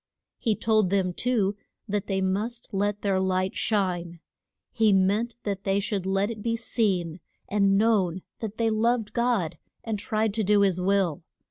He told them, too, that they must let their light shine; he meant that they should let it be seen and known that they loved God, and tried to do his will.